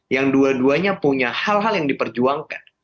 yang dua duanya punya hal hal yang diperjuangkan